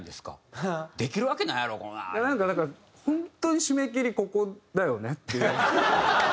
本当に締め切りここだよね？っていうような。